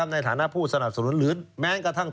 ในฐานะผู้สนับสนุนหรือแม้กระทั่ง